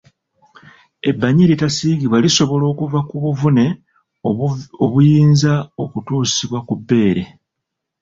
Ebbanyi eritasiigibwa lisobola okuva ku buvune obuyinza okutuusibwa ku bbeere.